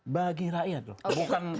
bagi rakyat loh